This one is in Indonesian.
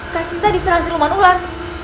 kak sinta diserang siluman ular